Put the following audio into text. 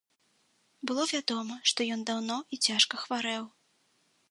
Было вядома, што ён даўно і цяжка хварэў.